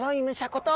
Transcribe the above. こと